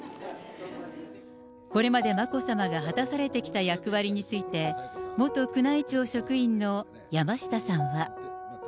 これまで眞子さまが果たされてきた役割について、元宮内庁職員の山下さんは。